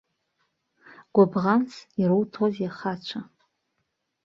Гәыбӷанс ируҭозеи ахацәа!